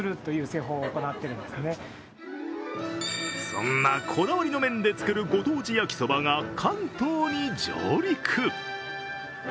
そんなこだわりの麺で作るご当地焼きそばが関東に上陸。